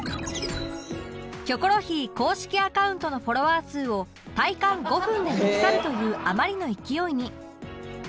『キョコロヒー』公式アカウントのフォロワー数を体感５分で抜き去るというあまりの勢いに